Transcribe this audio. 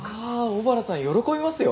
小原さん喜びますよ。